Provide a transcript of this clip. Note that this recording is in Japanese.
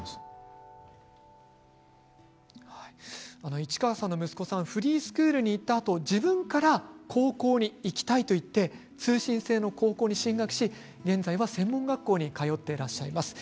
市川さんの息子さんはフリースクールに行ったあと自分から高校に行きたいと言って通信制の高校に進学し現在は専門学校に通ってらっしゃいます。